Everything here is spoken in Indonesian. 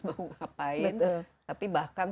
mau ngapain tapi bahkan